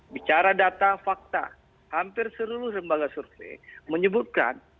bicara data fakta hampir seluruh lembaga survei menyebutkan